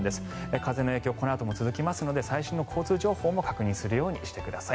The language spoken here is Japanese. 風の影響、このあとも続きますので最新の交通情報も確認するようにしてください。